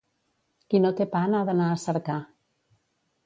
Qui no té pa n'ha d'anar a cercar.